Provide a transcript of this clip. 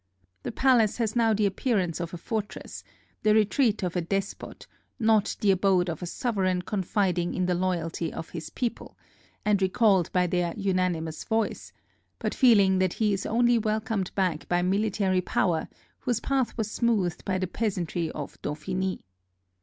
The palace has now the appearance of a fortress, the retreat of a despot, not the abode of a sovereign confiding in the loyalty of his people, and recalled by their unanimous voice, but feeling that he is only welcomed back by mili tary power, whose path was smoothed by the peasantry of Dauphiny.